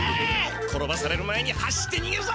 転ばされる前に走ってにげるぞ！